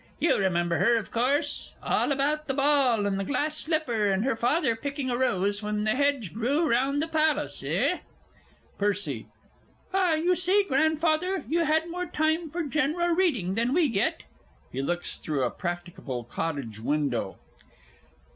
You remember her, of course all about the ball, and the glass slipper, and her father picking a rose when the hedge grew round the palace, eh? PERCY. Ah, you see, Grandfather, you had more time for general reading than we get. (_He looks through a practicable cottage window.